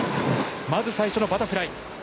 まず最初のバタフライ。